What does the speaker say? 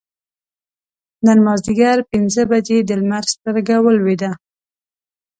نن مازدیګر پینځه بجې د لمر سترګه ولوېده.